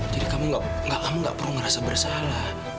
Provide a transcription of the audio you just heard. jadi kamu gak perlu ngerasa bersalah